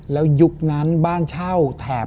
แล้วยุคนั้นบ้านเช่าแถบ